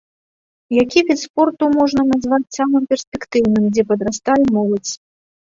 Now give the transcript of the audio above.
Які від спорту можна назваць самым перспектыўным, дзе падрастае моладзь?